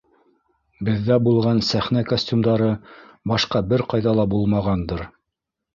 Беҙҙә булған сәхнә костюмдары башҡа бер ҡайҙа ла булмағандыр.